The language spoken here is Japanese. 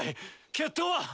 決闘は？